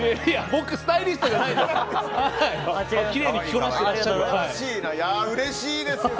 僕、スタイリストじゃないですよ。